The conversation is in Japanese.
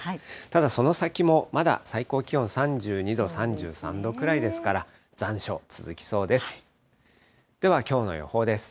ただ、その先もまだ最高気温３２度、３３度ぐらいですから、残暑続きそうです。